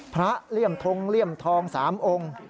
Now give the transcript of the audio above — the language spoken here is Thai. พระเรียมทองเรียมทอง๓องค์